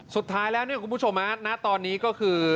สุดท้ายแล้วเนี่ยคุณผู้ชมณตอนนี้ก็คือ